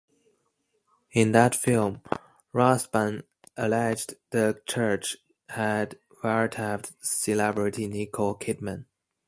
In that film, Rathbun alleged the church had wiretapped celebrity Nicole Kidman.